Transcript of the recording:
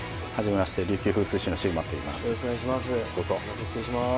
よろしくお願いします。